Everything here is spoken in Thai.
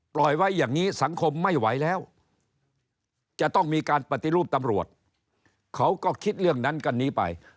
ปล่อยไว้อย่างนี้สังคมไม่ไหวแล้วจะต้องมีการปฏิรูปตำรวจเขาก็คิดเรื่องนั้นกันนี้ไป